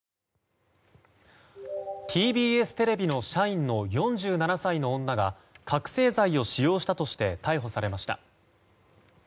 ＴＢＳテレビの社員の４７歳の女が覚醒剤を使用したとして逮捕されました。